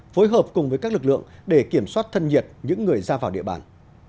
phối hợp cùng với các lực lượng để kiểm soát thân nhiệt những người ra vào địa bàn